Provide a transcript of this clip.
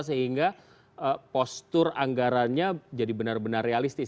sehingga postur anggarannya jadi benar benar realistis